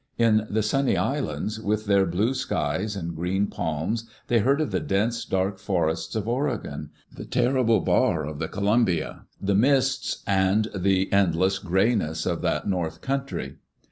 In the sunny Islands, with their blue skies and green palms, they heard of the dense, dark for ests of Oregon ; the terrible bar of the Columbia ; the mists and the endless grayness of that north country.